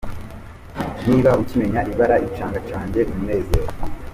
Ntuba ukimenya ibara, icanga, canke umunezero.